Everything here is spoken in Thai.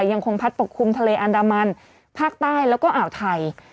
ยังคงพัดปกคลุมทะเลอันดามันภาคใต้แล้วก็อ่าวไทย